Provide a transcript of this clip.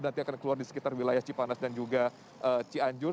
nanti akan keluar di sekitar wilayah cipanas dan juga cianjur